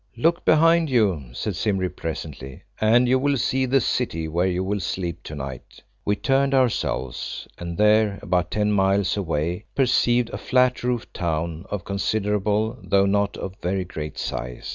"Look behind you," said Simbri presently, "and you will see the city where you will sleep to night." We turned ourselves, and there, about ten miles away, perceived a flat roofed town of considerable, though not of very great size.